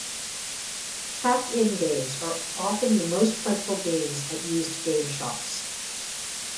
Pack-in games are often the most plentiful games at used game shops.